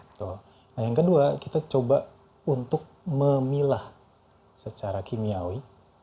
betul nah yang kedua kita coba untuk memilah secara kimiawi